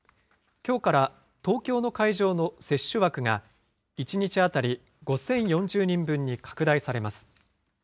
きょうから東京の会場の接種枠が、１日当たり５０４０人分に拡大されます。